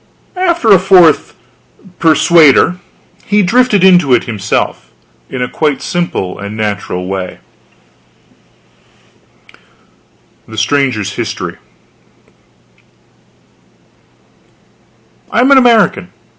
After a fourth persuader, he drifted into it himself, in a quite simple and natural way: THE STRANGER'S HISTORY I am an American.